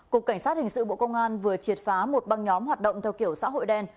cục cảnh sát hình sự bộ công an vừa triệt phá một băng nhóm hoạt động theo kiểu xã hội đen